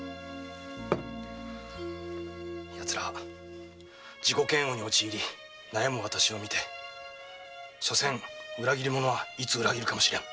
奴らは自己嫌悪に陥り悩む私を見て「所詮裏切り者はいつ裏切るかもしれぬ」